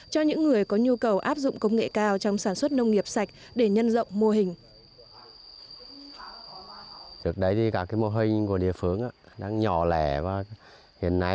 cho những người có nhu cầu áp dụng công nghệ cao trong sản xuất nông nghiệp sạch để nhân rộng mô hình